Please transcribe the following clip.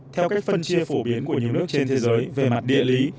theo cách phân chia phổ biến của nhiều nước trên thế giới về mặt địa lý